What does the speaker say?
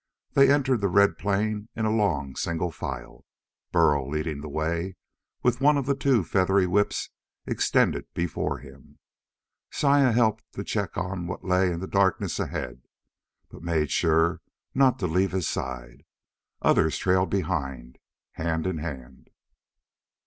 They entered the red plain in a long single file, Burl leading the way with one of the two feathery whips extended before him. Saya helped him check on what lay in the darkness ahead, but made sure not to leave his side. Others trailed behind, hand in hand.